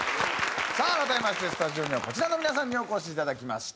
さあ改めましてスタジオにはこちらの皆さんにお越しいただきました。